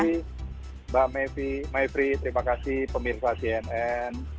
terima kasih mbak maifri terima kasih pemirsa cnn